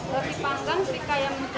roti panggang serikaya mentega